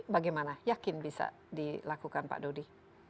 bagaimana yakin bisa dilakukan pak dodi